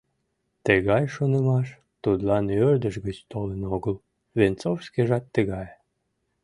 Тыгай шонымаш тудлан ӧрдыж гыч толын огыл, Венцов шкежат тыгае.